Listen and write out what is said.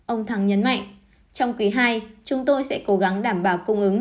ông thắng nhấn mạnh trong quý ii chúng tôi sẽ cố gắng đảm bảo cung ứng